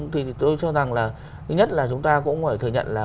thì tôi cho rằng là thứ nhất là chúng ta cũng phải thừa nhận là